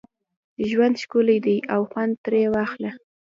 ژوند ښکلی دی او خوند ترې واخله